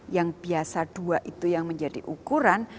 yang biasa dua itu yang menjadi ukuran